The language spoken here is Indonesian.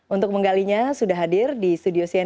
untuk menggalinya sudah hadir di studio cnn